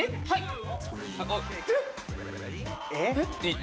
はい。